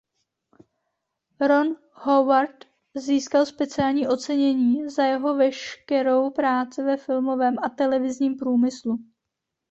Ron Howard získal speciální ocenění za jeho veškerou práci ve filmovém a televizním průmyslu.